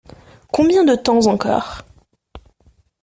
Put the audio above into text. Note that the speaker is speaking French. Combien de temps encore ?